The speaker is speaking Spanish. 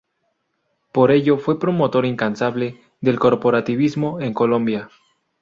Por ello fue promotor incansable del corporativismo en Colombia.